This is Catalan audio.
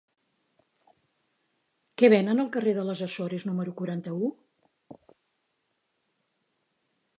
Què venen al carrer de les Açores número quaranta-u?